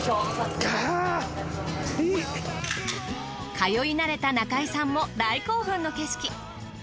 通い慣れた中井さんも大興奮の景色。